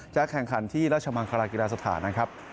แข่งขันที่ราชมังคลากีฬาสถานนะครับ